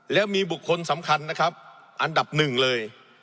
แล้วมีบุคคลสำคัญนะครับอันดับหนึ่งเลย